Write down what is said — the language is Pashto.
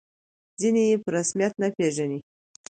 ځینې یې په رسمیت نه پېژني.